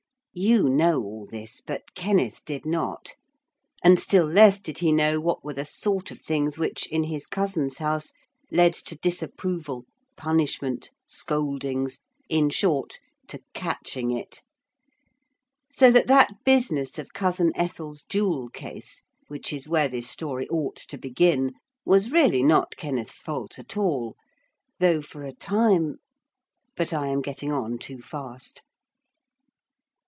You know all this. But Kenneth did not. And still less did he know what were the sort of things which, in his cousins' house, led to disapproval, punishment, scoldings; in short, to catching it. So that that business of cousin Ethel's jewel case, which is where this story ought to begin, was really not Kenneth's fault at all. Though for a time.... But I am getting on too fast.